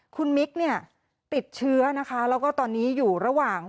คุณมิกเนี่ยติดเชื้อนะคะแล้วก็ตอนนี้อยู่ระหว่าง